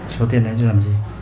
số tiền đấy tôi làm gì